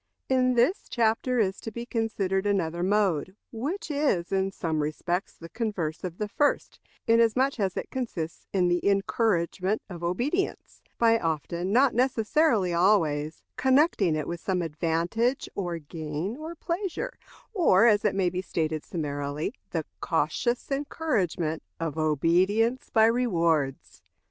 In this chapter is to be considered another mode, which is in some respects the converse of the first, inasmuch as it consists in the encouragement of obedience, by often not necessarily always connecting with it some advantage, or gain, or pleasure; or, as it may be stated summarily, the cautious encouragement of obedience by rewards.